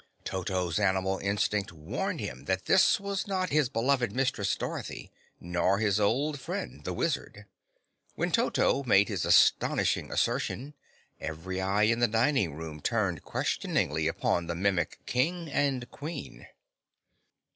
Toto's animal instinct warned him that this was not his beloved mistress Dorothy nor his old friend the Wizard. When Toto made his astonishing assertion every eye in the dining room turned questioningly upon the Mimic King and Queen.